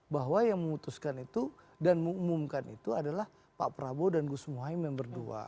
bahwa yang memutuskan itu dan mengumumkan itu adalah pak prabowo dan gus muhaymin yang berdua